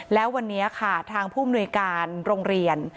แล้ววันนี้ทางภูมิหน่วยการโรงเรียน